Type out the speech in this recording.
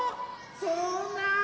そんな。